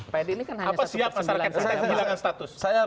pak hedy ini kan hanya satu persediaan